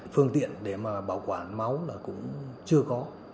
phương tiện để mà bảo quản máu là cũng chưa có